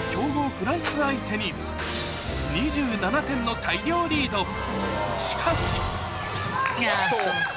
フランス相手に２７点の大量リードしかしあっと。